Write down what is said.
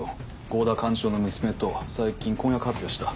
郷田幹事長の娘と最近婚約発表した。